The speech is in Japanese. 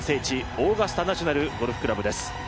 オーガスタ・ナショナル・ゴルフクラブです。